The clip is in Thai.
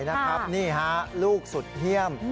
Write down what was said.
นี่ฮะลูกสุดเยี่ยม